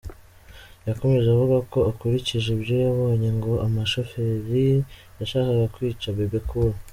Yakomeje avuga ko akurikije ibyo yabonye ngo umushoferi yashakaga kwica Bebe Cool.